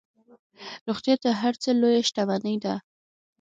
روغتیا تر هر څه لویه شتمني ده.